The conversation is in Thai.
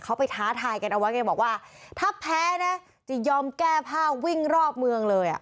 เขาไปท้าทายกันเอาไว้ไงบอกว่าถ้าแพ้นะจะยอมแก้ผ้าวิ่งรอบเมืองเลยอ่ะ